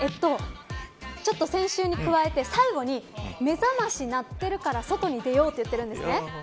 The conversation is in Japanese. ちょっと先週に加えて最後にめざまし鳴ってるから外に出ようと言ってるんですね。